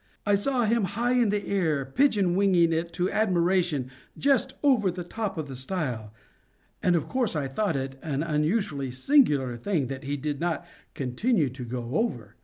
I saw him high in the air, pigeon winging it to admiration just over the top of the stile; and of course I thought it an unusually singular thing that he did not continue to go over.